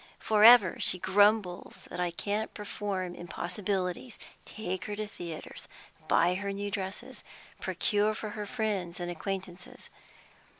For ever she grumbles that I can't perform impossibilities, take her to theatres, buy her new dresses, procure for her friends and acquaintances.